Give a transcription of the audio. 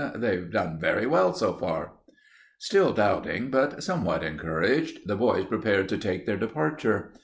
They've done very well, so far." Still doubting, but somewhat encouraged, the boys prepared to take their departure.